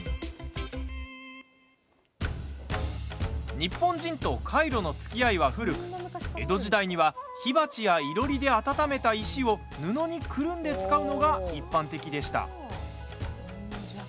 日本人とカイロのつきあいは古く江戸時代には火鉢や、いろりで温めた石を布にくるんで使うのが一般的でした。